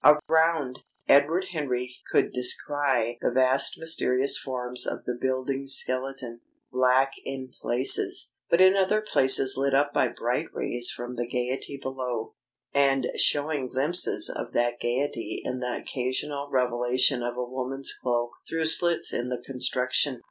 Around, Edward Henry could descry the vast mysterious forms of the building's skeleton black in places, but in other places lit up by bright rays from the gaiety below, and showing glimpses of that gaiety in the occasional revelation of a woman's cloak through slits in the construction.